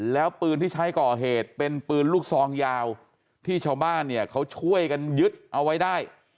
แล้วปืนที่ใช้ก่อเหตุเป็นปืนลูกซองยาวที่ชาวบ้านเนี่ยเขาช่วยกันยึดเอาไว้ได้